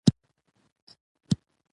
د افغانستان په منظره کې تنوع ښکاره ده.